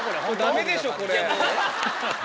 ダメでしょこれ。